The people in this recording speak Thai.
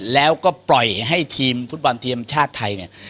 แล้วก็ปล่อยให้ทีมฟุตบอลทีมชาติไทยเนี่ย